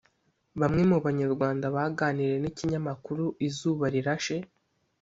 Bamwe mu banyarwanda baganiriye n’ikinyamakuru Izuba Rirashe